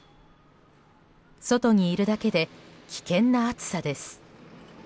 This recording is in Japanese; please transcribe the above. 外にいるだけで危険な暑さです。